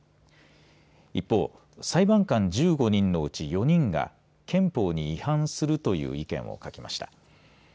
一方、裁判官１５人のうち４人が憲法に違反するという意見を書きました。